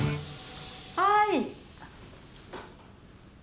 はい。